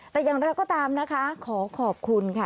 แต่ก็ยังตามนะคะขอขอบคุณค่ะ